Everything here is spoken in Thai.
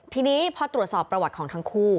ทีนี้พอตรวจสอบประวัติของทั้งคู่